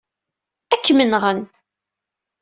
Ad kem-nɣen.